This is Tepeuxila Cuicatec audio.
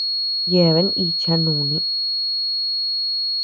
Yeabean icha nuni.